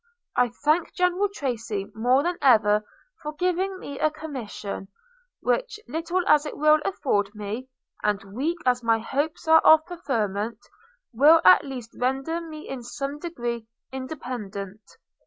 I thank General Tracy more than ever for giving me a commission, which, little as it will afford me, and weak as my hopes are of preferment, will at least render me in some degree independent.'